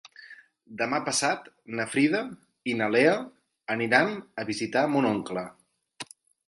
Demà passat na Frida i na Lea aniran a visitar mon oncle.